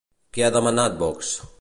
Què ha demandat Vox?